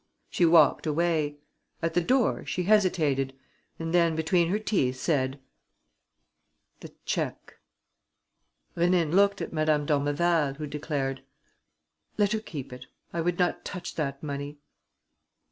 She walked away. At the door, she hesitated and then, between her teeth, said: "The cheque." Rénine looked at Madame d'Ormeval, who declared: "Let her keep it. I would not touch that money."